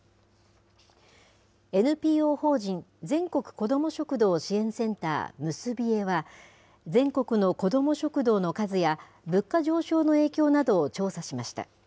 ＮＰＯ法人全国こども食堂支援センター・むすびえは、全国の子ども食堂の数や物価上昇の影響などを調査しました。